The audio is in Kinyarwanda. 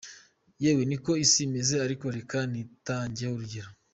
Yewe niko isi imeze, ariko reka nitangeho urugero.